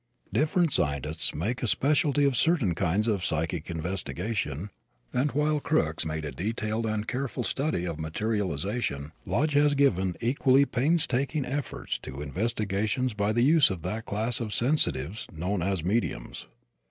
Different scientists make a specialty of certain kinds of psychic investigation and while Crookes made a detailed and careful study of materialization Lodge has given equally painstaking efforts to investigations by the use of that class of sensitives known as "mediums."